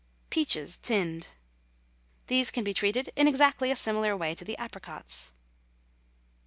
PEACHES, TINNED. These can be treated in exactly a similar way to the apricots.